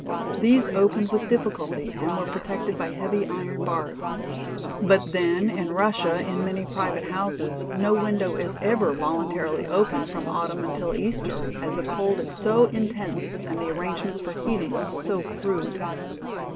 These opened with difficulty and were protected by heavy iron bars. But then in Russia in many private houses no window is ever voluntarily opened from autumn until Easter, as the cold is so intense and the arrangements for heating so crude.